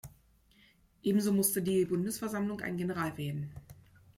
Ebenso musste die Bundesversammlung einen General wählen.